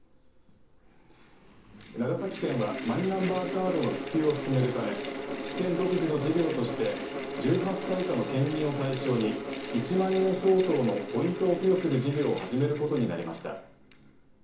長崎県はマイナンバーカードの普及を進めるため県独自の事業として１８歳以下の県民を対象に１万円相当のポイントを付与する事業を始めることになりました。